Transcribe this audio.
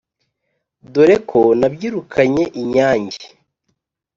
Dore ko nabyirukanye inyange